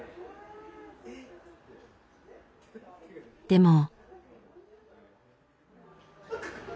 でも。